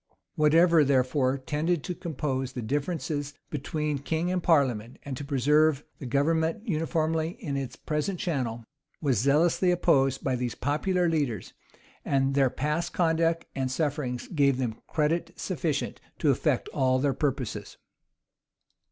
Whatever, therefore, tended to compose the differences between king and parliament, and to preserve the government uniformly in its present channel, was zealously opposed by these popular leaders; and their past conduct and sufferings gave them credit sufficient to effect all their purposes.